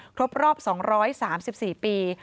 ครบรอบ๒๓๔ปี